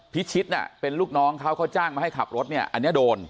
พี่ชิดเป็นลูกน้องเขาเขาจ้างมาให้ขับรถอันนี้โดน